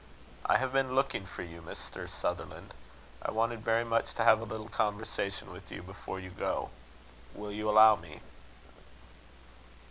"I have been looking for you, Mr. Sutherland. I wanted very much to have a little conversation with you before you go. Will you allow me?"